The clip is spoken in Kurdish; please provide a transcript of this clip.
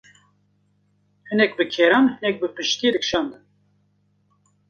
hinek bi keran, hinek bi piştiyê dikşandin.